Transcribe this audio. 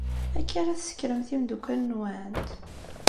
Akka ara tsekkremt imeddukal-nwent?